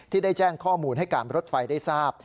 ได้แจ้งข้อมูลให้การรถไฟได้ทราบ